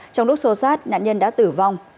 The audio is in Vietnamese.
trong lúc sô sát nạn nhân đã tử vong